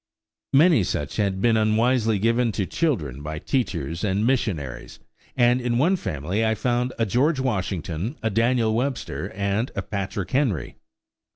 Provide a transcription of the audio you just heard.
Many such had been unwisely given to children by teachers and missionaries, and in one family I found a George Washington, a Daniel Webster, and a Patrick Henry!